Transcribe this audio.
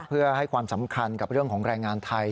เพื่อให้ความสำคัญกับเรื่องของแรงงานไทย